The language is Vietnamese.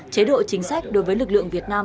chế độ chính sách đối với lực lượng việt nam